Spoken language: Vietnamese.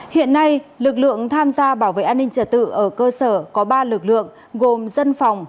hiện nay lực lượng tham gia bảo vệ an ninh trật tự ở cơ sở có ba lực lượng gồm dân phòng